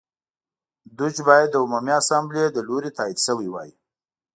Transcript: دوج باید د عمومي اسامبلې له لوري تایید شوی وای